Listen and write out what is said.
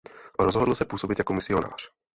Rozhodl se působit jako misionář.